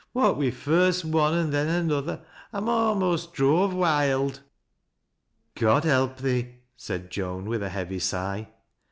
What wi' first one an' then another I'm a'most drove wild." " God help thee 1 " said Joan with a heavy sigh.